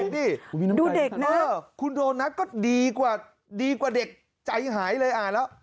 ดูเด็กดิคุณโดนัทก็ดีกว่าเด็กใจหายเลยอ่านแล้ว